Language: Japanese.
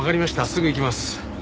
すぐ行きます。